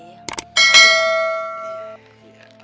iya ya allah